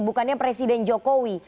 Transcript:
bukannya presiden jokowi